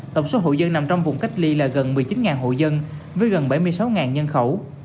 tổng số hộ dân nằm trong vùng cách ly là gần một mươi chín hộ dân với gần bảy mươi sáu nhân khẩu